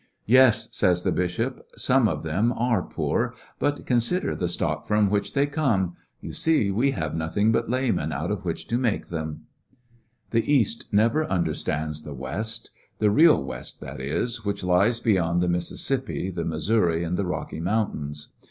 "Yes," said the bishop, "some of 164 ]}/lis&ionarY in i§e Great West them arc poor ^ but consider the stock fram which they come I You see^ we have nothing but laymen out of which to make them.'^ The East never understands the West — the /nm'ndbk real West, that is, which lies beyond the Mis sissippi, the Missouri, and the Kocky Moun tains.